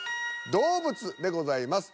「動物」でございます。